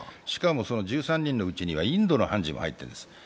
しかもその１３人のうちにはインドの判事も入ってるんです。